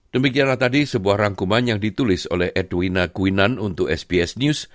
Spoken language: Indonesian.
demikianlah tadi sebuah rangkuman yang ditulis oleh edwina kuinan untuk sbs news